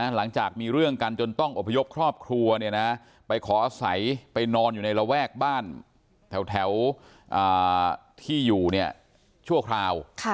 หลังจากมีเรื่องกันจนต้องอบพยพครอบครัวไปขออาศัยไปนอนอยู่ในระแวกบ้านแถวที่อยู่ชั่วคราว